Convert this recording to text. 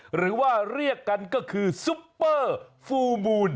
หรือว่าเรียกกันก็คือซุปเปอร์ฟูลมูล